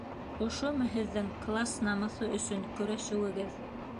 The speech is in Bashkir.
Ошомо һеҙҙең класс намыҫы өсөн көрәшеүегеҙ?